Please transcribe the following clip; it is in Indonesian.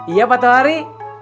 iya pak tuhari